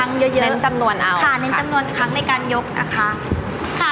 ค่ะเน้นจำนวนครั้งในการยกนะคะ